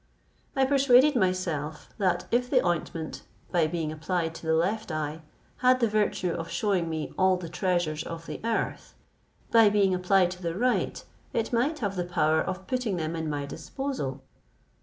I persuaded myself that if the ointment, by being applied to the left eye, had the virtue of shewing me all the treasures of the earth, by being applied to the right, it might have the power of putting them in my disposal.